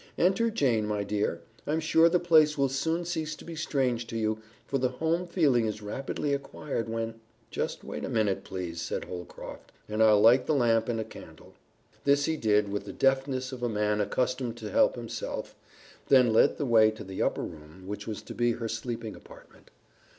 Enter, Jane, my dear. I'm sure the place will soon cease to be strange to you, for the home feeling is rapidly acquired when " "Just wait a minute, please," said Holcroft, "and I'll light the lamp and a candle." This he did with the deftness of a man accustomed to help himself, then led the way to the upper room which was to be her sleeping apartment.